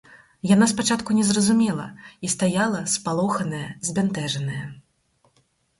Яна спачатку не зразумела і стаяла, спалоханая, збянтэжаная.